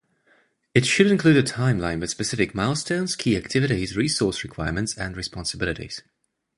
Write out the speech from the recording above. It should include a timeline with specific milestones, key activities, resource requirements, and responsibilities.